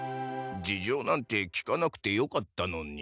じじょうなんて聞かなくてよかったのに。